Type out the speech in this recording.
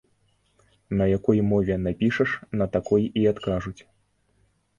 На якой мове напішаш, на такой і адкажуць.